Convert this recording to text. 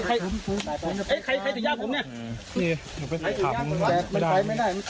ใครถึงยากผมเนี่ย